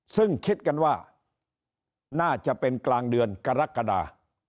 ซึ่งคิดกันว่าน่าจะเป็นกลางเดือนกรกฎา